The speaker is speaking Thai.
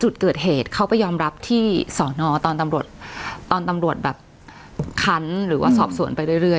จุดเกิดเหตุเขาไปยอมรับที่สอนอตอนตำรวจตอนตำรวจแบบคันหรือว่าสอบสวนไปเรื่อย